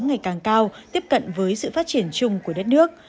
ngày càng cao tiếp cận với sự phát triển chung của đất nước